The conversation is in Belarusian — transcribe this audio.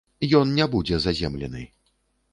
Ён не будзе заземлены.